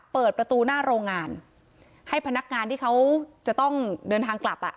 เปิดประตูหน้าโรงงานให้พนักงานที่เขาจะต้องเดินทางกลับอ่ะ